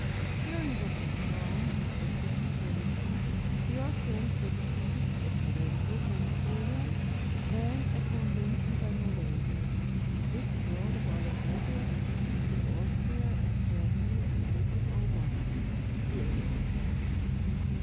During what was known as the Second Coalition, the Aus trians were defeated at Marengo by Napoleon, then at Ho henlinden by Moreau. This brought about a treaty of peace with Austria and Germany in 1801. The Editor.